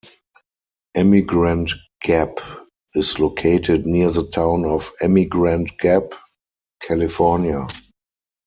Emigrant Gap is located near the town of Emigrant Gap, California.